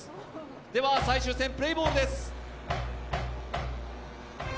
では最終戦、プレーボールです。